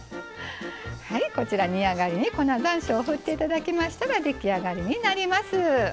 こちら煮上がりに粉ざんしょうを振って頂きましたら出来上がりになります。